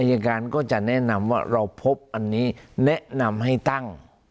อายการก็จะแนะนำว่าเราพบอันนี้แนะนำให้ตั้ง